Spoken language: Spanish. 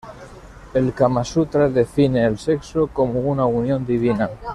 El "Kama sutra" define el sexo como una "unión divina".